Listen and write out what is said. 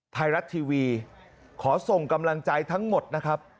ไทยรัฐทีวีขอส่งกำลังใจทั้งหมดนะครับ